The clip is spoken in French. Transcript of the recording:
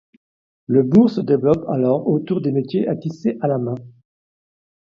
Le bourg se développe alors autour des métiers à tisser à la main.